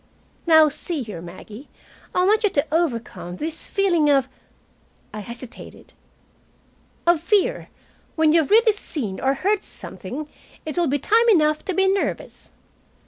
"Now, see here, Maggie, I want you to overcome this feeling of " I hesitated "of fear. When you have really seen or heard something, it will be time enough to be nervous."